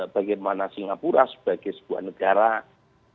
bagaimana singapura sebagai sebuah negara yang terdiri di negara ini